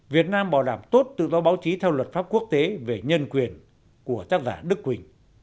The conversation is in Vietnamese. việt nam bảo đảm tốt tự do báo chí theo luật pháp quốc tế về nhân quyền của tác giả đức quỳnh